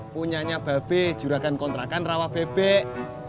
punyanya babe juragan kontrakan rawa bebek